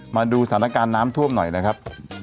มาดูสถานการณ์น้ำท่วมหน่อยนะครับ